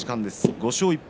５勝１敗